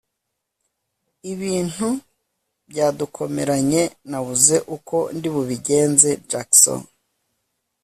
ibintu byadukomeranye nabuze uko ndibubigenzeJackson